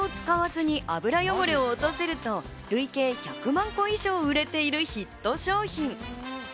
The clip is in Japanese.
洗剤を使わずに油汚れを落とせると累計１００万個以上売れているヒット商品。